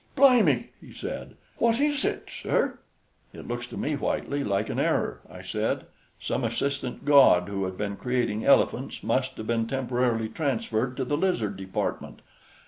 "Blime!" he said. "Wot is hit, sir?" "It looks to me, Whitely, like an error," I said; "some assistant god who had been creating elephants must have been temporarily transferred to the lizard department."